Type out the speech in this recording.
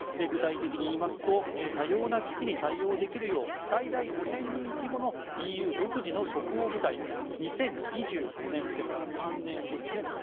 具体的に言いますと多様な危機に対応できるよう最大５０００人規模のＥＵ独自の即応部隊を２０２５年ですから３年後ですね